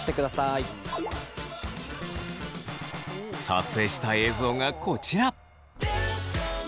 撮影した映像がこちら！